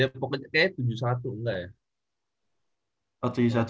ya pokoknya tujuh puluh satu enggak ya